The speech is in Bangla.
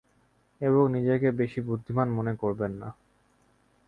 এবং নিজেকে বেশি বুদ্ধিমান মনে করবেন না।